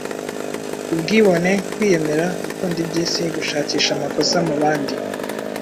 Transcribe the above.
Ubwibone, kwiyemera, gukunda iby’isi, gushakisha amakosa mu bandi